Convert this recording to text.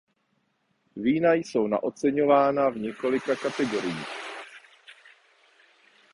Vína jsou na oceňována v několika kategoriích.